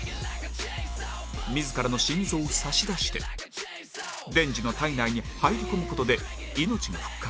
自らの心臓を差し出してデンジの体内に入り込む事で命が復活